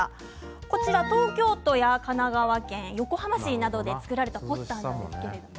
こちらは東京都や神奈川県横浜市などで作られたポスターです。